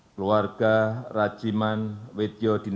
keluarga rajiman wetyo dinak